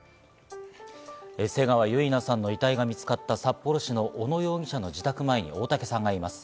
瀬川結菜さんの遺体が見つかった札幌市の小野容疑者の自宅前に大竹さんがいます。